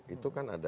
itu kan ada